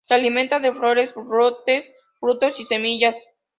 Se alimenta de flores, brotes, frutos y semillas.